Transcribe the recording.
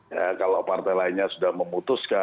ya kalau partai lainnya sudah memutuskan